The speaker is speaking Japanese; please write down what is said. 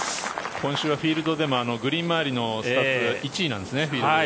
今週はフィールドでもグリーン周りのスタッツが１位なんですね。